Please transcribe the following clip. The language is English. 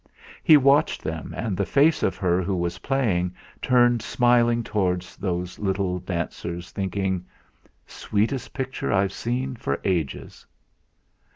He watched them and the face of her who was playing turned smiling towards those little dancers thinking: '.weetest picture I've seen for ages.'